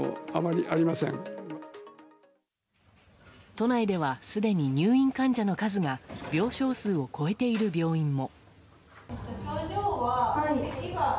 都内ではすでに入院患者の数が病床数を超えている病院も。